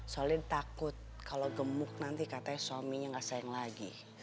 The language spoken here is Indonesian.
soalnya takut kalau gemuk nanti katanya suaminya gak sayang lagi